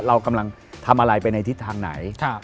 เรากำลังทำอะไรไปในทิศทางไหน